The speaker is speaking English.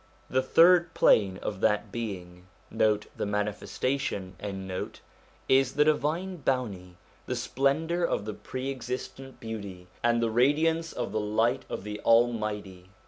The third plane of that Being l is the Divine Bounty, the splendour of the Pre existent Beauty, and the radiance of the light of the Almighty.